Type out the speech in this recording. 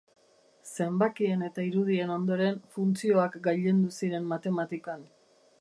Zenbakien eta irudien ondoren, funtzioak gailendu ziren matematikan.